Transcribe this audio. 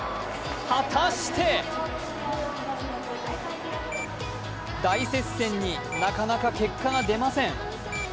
果たして大接戦に、なかなか結果が出ません。